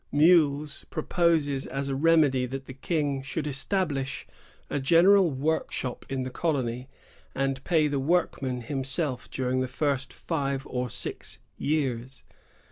"^ Meules proposes as a remedy that the King should establish a general workshop in the colony, and pay the workmen himself during the first five or six years.